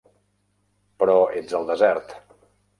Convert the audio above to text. Però ets al desert.